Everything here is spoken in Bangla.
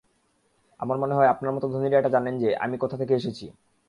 আমার মনে হয় আপনার মতো ধনীরা এটা জানেন যে, আমি কোথা থেকে এসেছি।